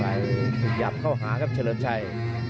พยายามเข้าหาครับเฉลิมชัย